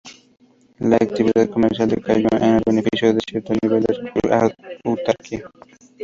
La actividad comercial decayó en beneficio de cierto nivel de autarquía.